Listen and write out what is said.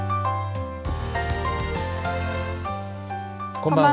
こんばんは。